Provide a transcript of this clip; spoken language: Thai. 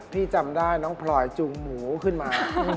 ที่จำได้น้องพลอยจูงหมูขึ้นมา